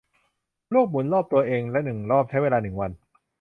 โลกหมุนรอบตัวเองหนึ่งรอบใช้เวลาหนึ่งวัน